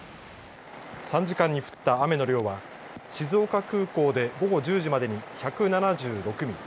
３時間に降った雨の量は静岡空港で午後１０時までに１７６ミリ